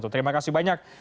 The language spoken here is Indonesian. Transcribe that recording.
terima kasih banyak